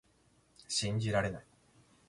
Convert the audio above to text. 信じられない